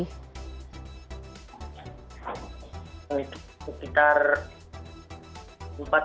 sekitar empat sampai enam